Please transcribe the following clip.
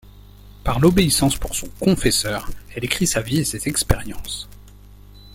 Par l'obéissance pour son confesseur, elle écrit sa vie et ses expériences.